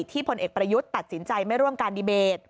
พลเอกประยุทธ์ตัดสินใจไม่ร่วมการดีเบต